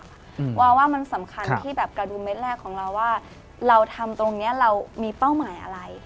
วาว่ามันสำคัญที่แบบกระดุมเม็ดแรกของเราว่าเราทำตรงเนี้ยเรามีเป้าหมายอะไร